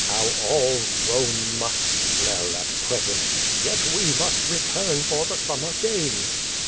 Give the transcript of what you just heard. How all Home must smell at present! Yet we must return for the summer ganies."